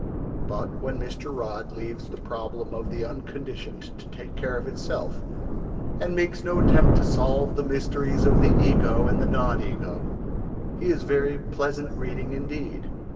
But when Mr. Rodd leaves the problem of the Unconditioned to take care of itself, and makes no attempt to solve the mysteries of the Ego and the non Ego, he is very pleasant reading indeed.